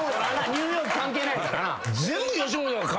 ニューヨーク関係ないからな。